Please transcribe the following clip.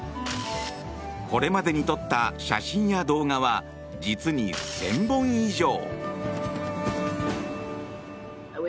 これまでに撮った写真や動画は実に１０００本以上。